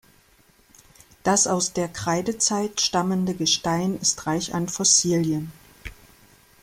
Das aus der Kreidezeit stammende Gestein ist reich an Fossilien.